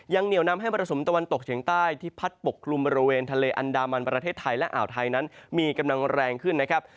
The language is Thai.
เหนียวนำให้มรสุมตะวันตกเฉียงใต้ที่พัดปกคลุมบริเวณทะเลอันดามันประเทศไทยและอ่าวไทยนั้นมีกำลังแรงขึ้นนะครับ